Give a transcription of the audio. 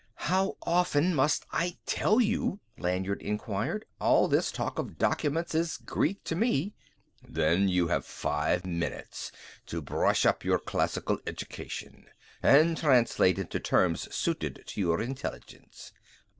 "How often must I tell you," Lanyard enquired, "all this talk of documents is Greek to me?" "Then you have five minutes to brush up your classical education, and translate into terms suited to your intelligence.